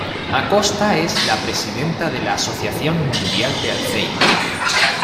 Acosta es la presidenta de la Asociación Mundial de Alzheimer.